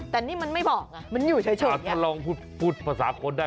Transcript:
แต่นี่มันไม่บอกอ่ะมันอยู่เฉยเฉยอย่างเงี้ยถ้าลองพูดพูดภาษาคนได้